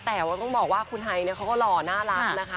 แต่ต้องบอกว่าขุนไฮเขาก็หล่อน่ารักนะคะ